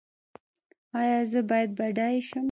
ایا زه باید بډای شم؟